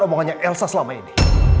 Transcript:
omongannya elsa selama ini